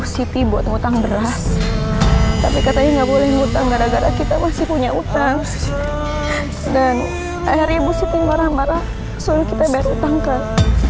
suruh kita biar utang kan